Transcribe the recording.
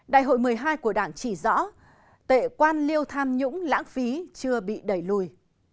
đại hội một mươi hai của đảng chỉ rõ tệ quan liêu tham nhũng lãng phí chưa bị đẩy lùi